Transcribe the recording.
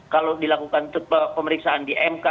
kalau dilakukan pemeriksaan di mk